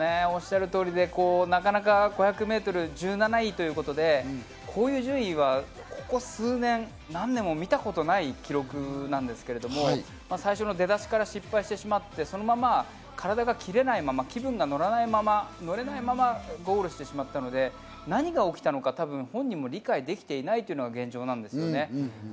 おっしゃる通りで、なかなか５００メートル、１７位ということで、こういう順位はここ数年、何年も見た事がない記録なんですけれども、出だしから失敗してしまって、そのまま体が切れないまま、気分が乗らないまま、乗れないままゴールしてしまったので、何が起きたのか本人も理解できていないというのが現状なんですね。